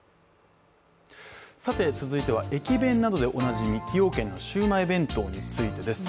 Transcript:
続いては駅弁などでおなじみ崎陽軒のシウマイ弁当についてです。